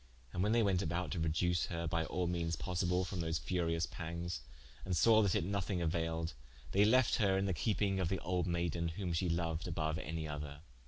And when they went about to reduce her by al meanes possible from those furious panges, and saw that it nothing auailed, they lefte her in the keeping of the olde maiden, whom she loued aboue any other.